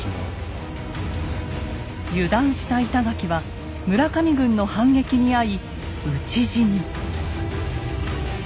油断した板垣は村上軍の反撃に遭い討ち死に。